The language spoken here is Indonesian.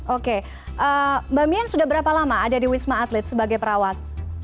oke mbak mian sudah berapa lama ada di wisma atlet sebagai perawat